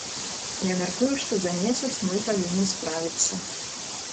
Я мяркую, што за месяц мы павінны справіцца.